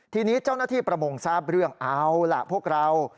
ทีนี้เจ้าหน้าที่ประมงทราบเรื่องเอาล่ะพวกเรา